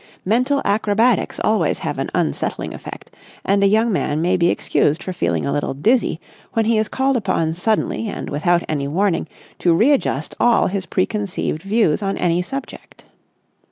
Mental acrobatics always have an unsettling effect, and a young man may be excused for feeling a little dizzy when he is called upon suddenly and without any warning to re adjust all his preconceived views on any subject.